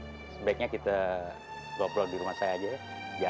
sebaiknya kita goprol di rumah saya aja ya